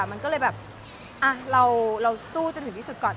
มันก็เลยแบบเราสู้จนถึงที่สุดก่อน